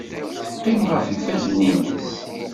Teqqim ɣef yifadden-nnes.